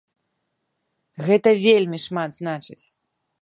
Гэта вельмі шмат значыць.